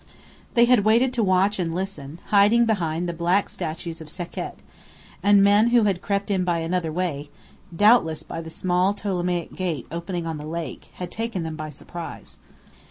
They had waited to watch and listen, hiding behind the black statues of Sekhet, and men who had crept in by another way doubtless by the small Ptolemaic gate opening on the lake had taken them by surprise.